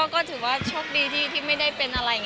ค่ะถือว่าโชคดีที่ไม่ได้เป็นอะไร